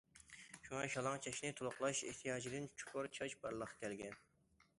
شۇڭا شالاڭ چاچنى تولۇقلاش ئېھتىياجىدىن چۇپۇر چاچ بارلىققا كەلگەن.